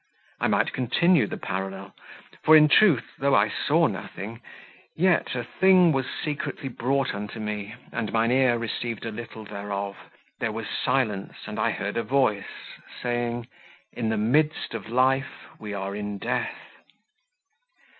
I might continue the parallel, for in truth, though I saw nothing, yet "a thing was secretly brought unto me, and mine ear received a little thereof; there was silence, and I heard a voice," saying "In the midst of life we are in death."